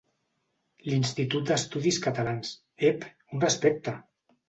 L'Institut d'Estudis Catalans, ep un respecte!